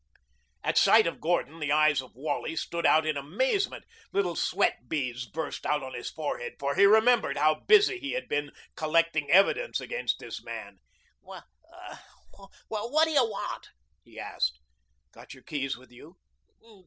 At sight of Gordon the eyes of Wally stood out in amazement. Little sweat beads burst out on his forehead, for he remembered how busy he had been collecting evidence against this man. "W w what do you want?" he asked. "Got your keys with you?"